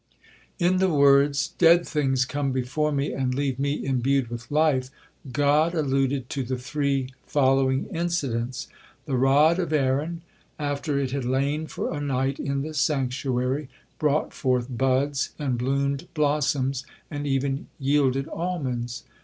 In the words, "Dead things come before Me and leave Me imbued with life," God alluded to the three following incidents. The rod of Aaron, after it had lain for a night in the sanctuary, "brought forth buds, and bloomed blossoms, and even yielded almonds."